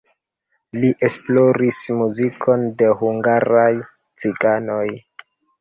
Li esploris muzikon de hungaraj ciganoj.